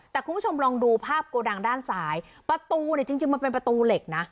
แต่คุณผู้ชมลองดูภาพโกดังด้านซ้ายประตูเนี่ยจริงมันเป็นประตูเหล็กนะ